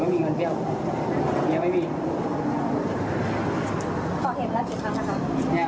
ไม่ได้ถึงครับผมต้องการให้มีพิสมันเท่านั้น